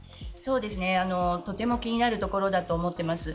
とても気になるところだと思っています。